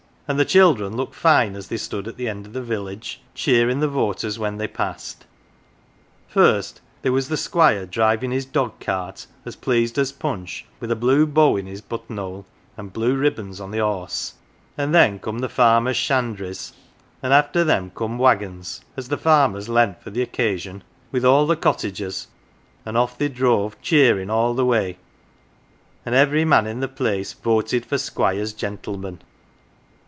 And the children looked fine as they stood at the end o' the village, cheerin' the voters when they passed. First there was the Squire driving his dog cart, as pleased as Punch, with a blue bow in his button hole, and blue ribbons on the horse; and then come the farmers' shandries, and after them come waggons as the farmers lent for the occasion with all the cottagers, an' off they drove, cheerin' all the way, an' every man in the place voted for Squire's gentleman.